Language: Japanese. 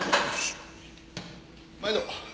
まいど。